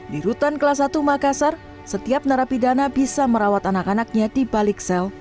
di rutan kelas satu makassar setiap narapidana bisa merawat anak anaknya di balik sel